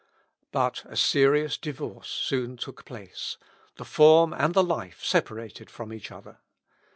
But a serious divorce soon took place; the form and the life separated from each other.